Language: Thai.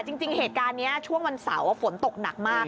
จริงแหต่าการเนี่ยช่วงวันเสาระฝนตกหนักมากนะ